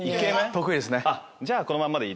得意ですね。